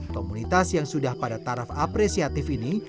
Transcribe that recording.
komunitas yang sudah pada taraf apresiatif ini